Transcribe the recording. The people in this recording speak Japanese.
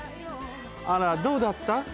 あらどうだった？